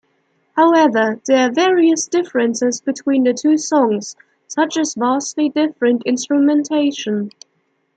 However, there are various differences between the two songs, such as vastly different instrumentation.